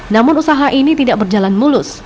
namun usaha ini tidak berjalan mulus